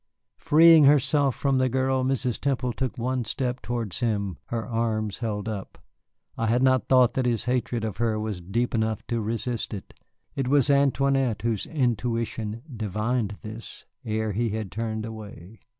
Freeing herself from the girl, Mrs. Temple took one step towards him, her arms held up. I had not thought that his hatred of her was deep enough to resist it. It was Antoinette whose intuition divined this ere he had turned away.